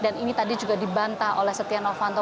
dan ini tadi juga dibanta oleh setia novanto